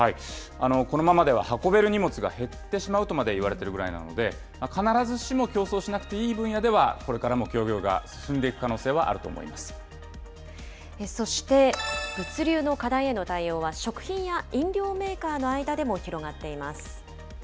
このままでは運べる荷物が減ってしまうとまでいわれているぐらいなので、必ずしも競争しなくていい分野では、これからも協業が進んでいくそして、物流の課題への対応は食品や飲料メーカーの間でも広がっています。